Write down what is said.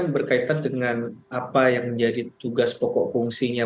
berkaitan dengan apa yang menjadi tugas pokok fungsinya